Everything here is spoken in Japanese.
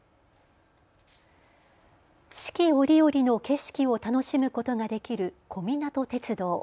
四季折々の景色を楽しむことができる小湊鐵道。